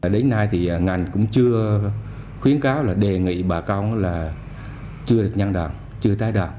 đến nay thì ngành cũng chưa khuyến cáo là đề nghị bà con là chưa được nhăn đàn chưa tái đàn